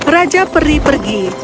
raja peri pergi